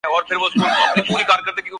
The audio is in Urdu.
یہ جو ہمارے ماحولیات کے مشیر ہیں۔